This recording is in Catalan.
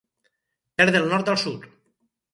Perd el nord al sud.